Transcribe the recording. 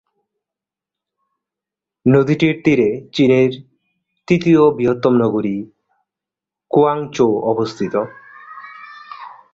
নদীটির তীরে চীনের তৃতীয় বৃহত্তম নগরী কুয়াংচৌ অবস্থিত।